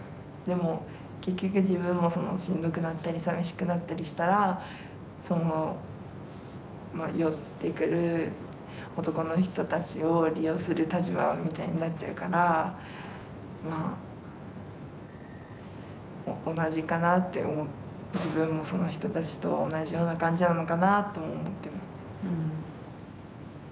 でも結局自分もしんどくなったりさみしくなったりしたらその寄ってくる男の人たちを利用する立場みたいになっちゃうからまあ同じかなって思う自分もその人たちと同じような感じなのかなとも思ってます。